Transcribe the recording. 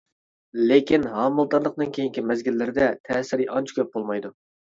لېكىن ھامىلىدارلىقنىڭ كېيىنكى مەزگىللىرىدە تەسىرى ئانچە كۆپ بولمايدۇ.